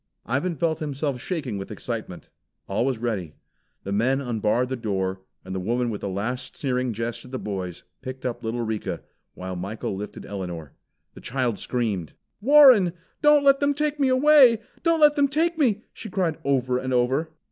Ivan felt himself shaking with excitement. All was ready. The men unbarred the door, and the woman with a last sneering jest at the boys, picked up little Rika, while Michael lifted Elinor. The child screamed. "Warren, don't let them take me away! Don't let them take me!" she cried over and over.